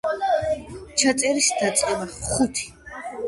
პრიზი საუკეთესო რეჟისურისთვის.